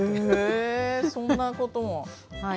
へえそんなことも！